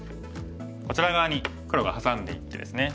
こちら側に黒がハサんでいってですね。